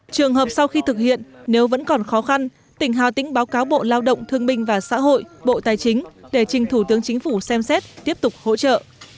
trường hợp sau khi thực hiện nếu vẫn còn khó khăn tỉnh hà tĩnh báo cáo bộ lao động thương minh và xã hội bộ tài chính để trình thủ tướng chính phủ xem xét tiếp tục hỗ trợ